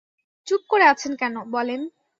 চুপ করে আছেন কেন, বলেন।